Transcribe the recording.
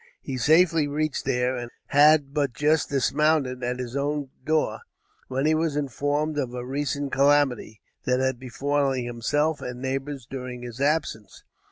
He safely reached there and had but just dismounted at his own door, when he was informed of a recent calamity that had befallen himself and neighbors during his absence.